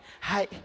はい。